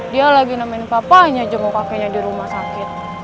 dia lagi nemin papanya jempol kakenya dirumah sakit